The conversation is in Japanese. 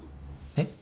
えっ？